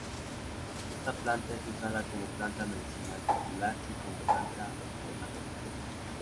Esta planta es usada como planta medicinal popular y como planta ornamental.